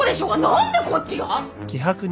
何でこっちが！？